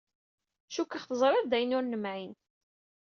Cukkeɣ teẓriḍ d ayen ur nemɛin.